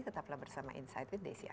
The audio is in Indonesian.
tetaplah bersama insight with desi anwar